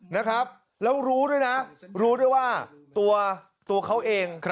นะครับแล้วรู้ด้วยนะรู้ด้วยว่าตัวเขาเอง